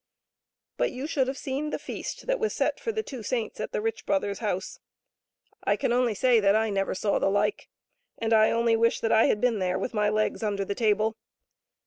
But you should have seen the feast that was set for the two saints at the rich brother's house ! I can only say that I never saw the like, and I only wish that I had been there with my legs under the table.